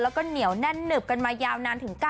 แล้วก็เหนียวแน่นหนึบกันมายาวนานถึง๙๐